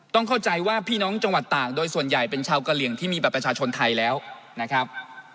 ต้องเข้าใจว่าพี่น้องจังหวัดต่างโดยส่วนใหญ่เป็นชาวกะเหลี่ยงที่มีบัตรประชาชนไทยแล้วนะครับ